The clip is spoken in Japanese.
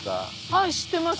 はい知ってます。